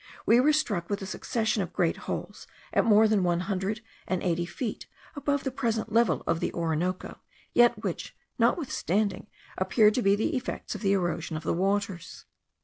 We were struck with a succession of great holes at more than one hundred and eighty feet above the present level of the Orinoco, yet which, notwithstanding, appear to be the effects of the erosion of the waters.